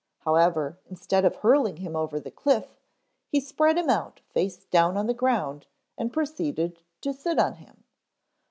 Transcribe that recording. However, instead of hurling him over the cliff, he spread him out face down on the ground and proceeded to sit on him.